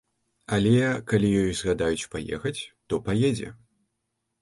Але калі ёй загадаюць паехаць, то паедзе.